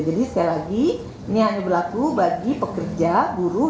jadi sekali lagi ini hanya berlaku bagi pekerja guru